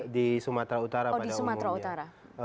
di sumatera utara pada umumnya